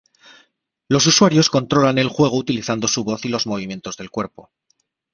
Los usuarios controlan el juego utilizando su voz y los movimientos del cuerpo.